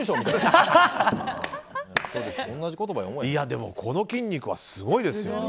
でも、この筋肉はすごいですね。